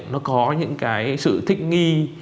nó có những cái sự thích nghi